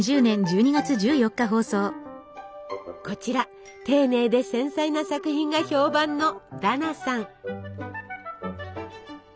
こちら丁寧で繊細な作品が評判のダナさん。